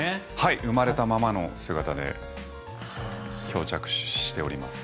生まれたままの姿で漂着しております。